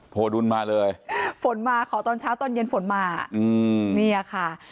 โพดุลมาเลยฝนมาขอตอนเช้าตอนเย็นฝนมาอืมเนี่ยค่ะ